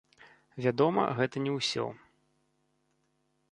Вядома, гэта не ўсё.